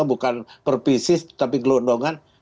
bukan per pisis tapi gelondongan